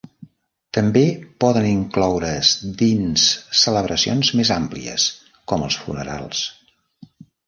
També poden incloure's dins celebracions més àmplies, com els funerals.